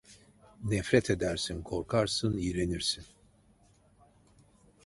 Nefret edersin, korkarsın, iğrenirsin…